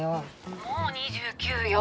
「もう２９よ！